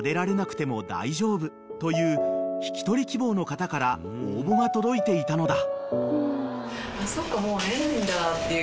［という引き取り希望の方から応募が届いていたのだ］